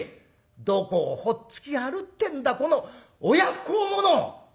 どこをほっつき歩ってんだこの親不孝者！」。